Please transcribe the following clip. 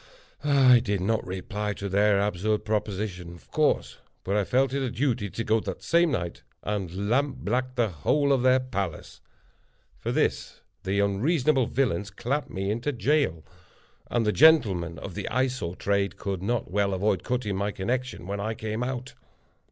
I did not reply to their absurd proposition, of course; but I felt it a duty to go that same night, and lamp black the whole of their palace. For this the unreasonable villains clapped me into jail; and the gentlemen of the Eye Sore trade could not well avoid cutting my connection when I came out.